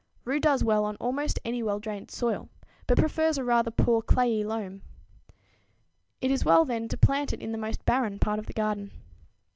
Rue does well on almost any well drained soil, but prefers a rather poor clayey loam. It is well, then, to plant it in the most barren part of the garden.